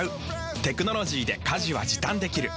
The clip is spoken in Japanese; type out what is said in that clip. テクノロジーで家事は時短できる。